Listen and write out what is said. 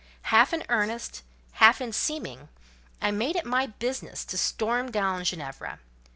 Half in earnest, half in seeming, I made it my business to storm down Ginevra.